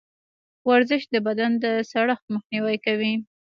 ورزش د بدن د سړښت مخنیوی کوي.